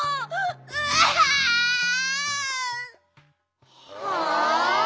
うわん！はあ？